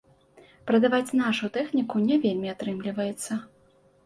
Прадаваць нашу тэхніку не вельмі атрымліваецца.